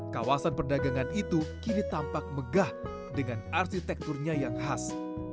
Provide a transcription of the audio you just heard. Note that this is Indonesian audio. kawasan perdagangan itu kini tampak megah dengan arsitekturnya yang khas